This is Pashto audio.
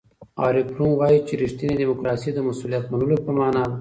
اریک فروم وایي چې ریښتینې دیموکراسي د مسؤلیت منلو په مانا ده.